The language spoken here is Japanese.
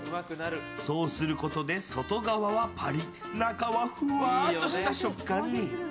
そうすることで外側はパリっ中はふわっとした食感に。